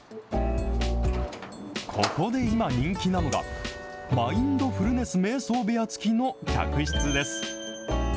ここで今人気なのが、マインドフルネスめい想部屋付きの客室です。